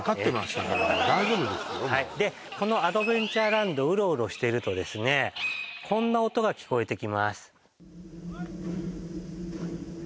大丈夫ですけどはいでこのアドベンチャーランドウロウロしてるとですねこんな音が聞こえてきます